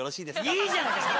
いいじゃないか！